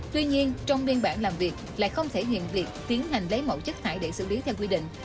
tuy nhiên trong biên bản làm việc lại không thể hiện việc tiến hành lấy mẫu chất thải để xử lý theo quy định